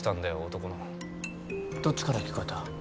男のどっちから聞こえた？